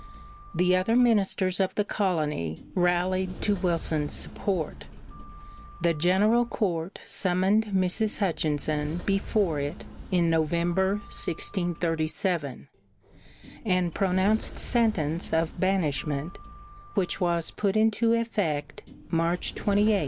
The other ministers of the colony rallied to Wilson's support, the General Court summoned Mrs. Hutchinson before it in November, 1637, and pronounced sentence of banishment, which was put into effect March 28, 1638.